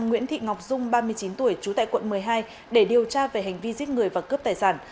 nguyễn thị ngọc dung ba mươi chín tuổi trú tại quận một mươi hai để điều tra về hành vi giết người và cướp tài sản